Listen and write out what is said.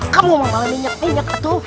kamu mau malah minyak minyak atuh